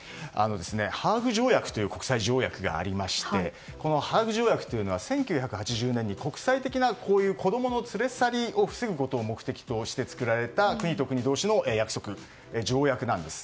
ハーグ条約という国際条約がありましてハーグ条約というのは１９８０年に国際的な子供の連れ去りを防ぐことを目的として作られた国と国同士の約束、条約なんです。